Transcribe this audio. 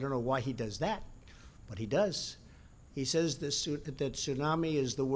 dan mereka terjatuh dengan sangat kuat